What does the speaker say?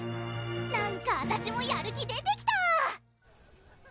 なんかあたしもやる気出てきた！